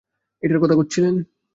এইটার কথা কচ্ছিলেন?